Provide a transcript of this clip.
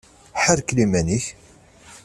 Ḥerkel iman-ik!